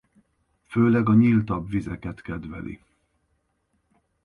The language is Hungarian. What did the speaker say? Főleg a nyíltabb vizeket kedveli.